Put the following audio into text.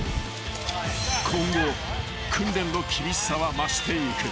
［今後訓練の厳しさは増していく］